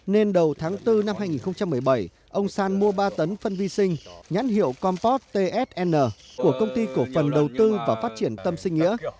nên đầu tháng bốn năm hai nghìn một mươi bảy ông san mua ba tấn phân vi sinh nhãn hiệu compot tsn của công ty cổ phần đầu tư và phát triển tâm sinh nghĩa